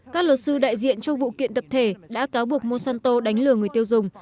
các luật sư đại diện cho vụ kiện tập thể đã cáo buộc monsanto đánh lừa người tiêu dùng